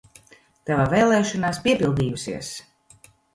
Tava vēlēšanās piepildījusies!